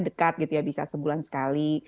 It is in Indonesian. dekat gitu ya bisa sebulan sekali